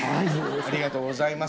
ありがとうございます。